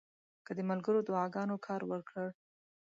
که د ملګرو دعاګانو کار ورکړ.